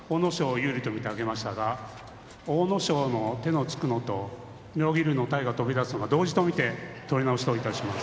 有利と見て上げましたが阿武咲の手のつくのと妙義龍の体の飛び出すのが同時と見て取り直しといたします。